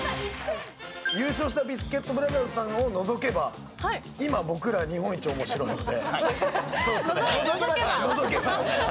優勝したビスケットブラザーズさんを除けば、今、僕ら、日本一面白いので。